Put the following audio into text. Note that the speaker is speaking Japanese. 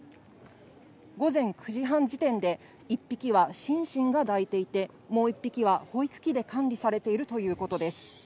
午前９時半時点で１匹はシンシンが抱いていて、もう一匹は保育器で管理されているということです。